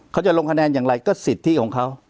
เขาจะลงคะแนนอย่างไรก็สิทธิของเขา